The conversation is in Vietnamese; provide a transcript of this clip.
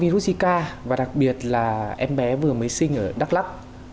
virus zika và đặc biệt là em bé vừa mới sinh ở đắk lắk